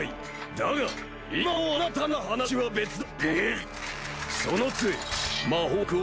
だが今のあなたなら話は別だ。